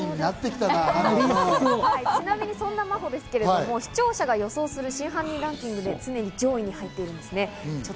ちなみにそんな真帆ですけど、視聴者が予想する真犯人ランキングで常に上位に入っています。